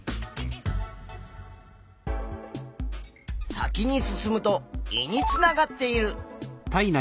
先に進むと胃につながっている。